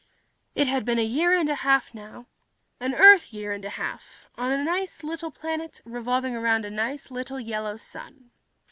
It had been a year and a half now an Earth year and a half on a nice little planet revolving around a nice little yellow sun.